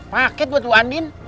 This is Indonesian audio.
paket buat bu andin